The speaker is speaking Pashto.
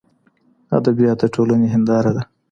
ادبیات د ټولني هنداره ده.